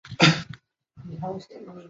南瓜瓜子可以做零食。